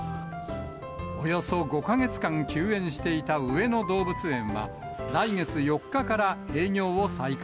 およそ５か月間、休園していた上野動物園は、来月４日から営業を再開。